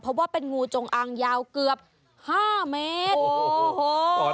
เพราะว่าเป็นงูจงอางยาวเกือบ๕เมตรโอ้โห